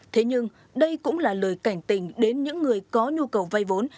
thế nhưng đây cũng là lời cảnh tình đến những người có nhu cầu vay vốn